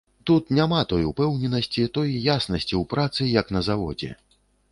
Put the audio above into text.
Тут няма той упэўненасці, той яснасці ў працы, як на заводзе.